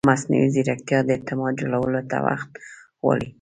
مصنوعي ځیرکتیا د اعتماد جوړولو ته وخت غواړي.